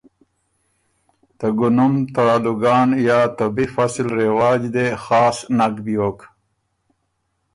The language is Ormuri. ته ګُنم ته آلوګان یا ته بی فصل رواج دې خاص نک بیوک۔